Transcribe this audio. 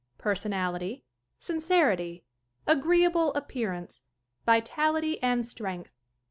(3) Personality. (4) Sincerity. (5) Agreeable appearance. (6) Vitality and strength.